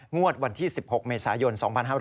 งวดวันที่๑๖เมษายน๒๕๖๐